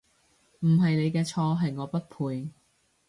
唔係你嘅錯，係我不配